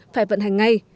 phải vận hành ngay